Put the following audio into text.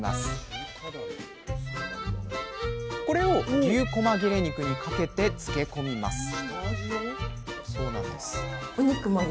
これを牛こま切れ肉にかけて漬け込みます